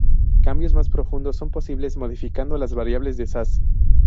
Cambios más profundos son posibles modificando las variables de Sass.